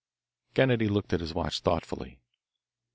Kennedy looked at his watch thoughtfully.